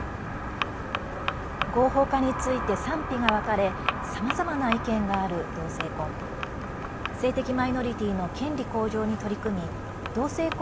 合法化について賛否が分かれさまざまな意見がある同性婚。